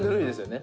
ね